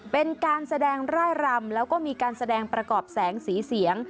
เป็นการแสดงร่ายรำแล้วก็มีการแสดงประกอบแสงสีเสียง